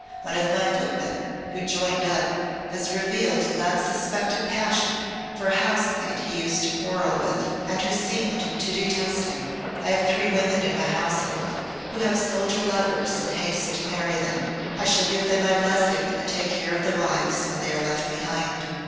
"One of my footmen who 'joined up' has revealed an unsuspected passion for a housemaid he used to quarrel with, and who seemed to detest him. I have three women in my household who have soldier lovers in haste to marry them. I shall give them my blessing and take care of the wives when they are left behind.